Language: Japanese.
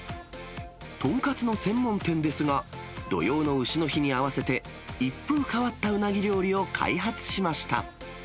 とんかつの専門店ですが、土用のうしの日に合わせて、一風変わったうなぎ料理を開発しました。